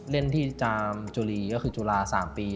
เล่นที่จามจุรีก็คือจุฬา๓ปี